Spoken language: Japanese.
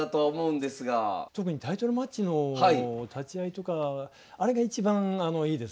特にタイトルマッチの立会とかあれが一番いいですね。